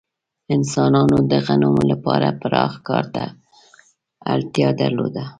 انسانانو د غنمو لپاره پراخ کار ته اړتیا درلوده.